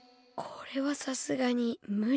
これはさすがにむりか。